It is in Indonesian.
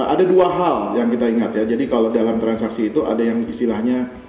ada dua hal yang kita ingat ya jadi kalau dalam transaksi itu ada yang istilahnya